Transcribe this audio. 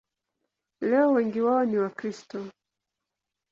Leo wengi wao ni Wakristo.